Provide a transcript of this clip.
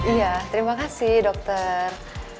iya terima kasih dokter